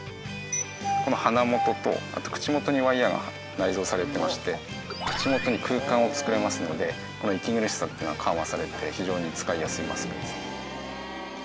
この鼻元とあと口元にワイヤーが内蔵されていまして口元に空間を作れますので息苦しさっていうのは緩和されて非常に使いやすいマスクですね。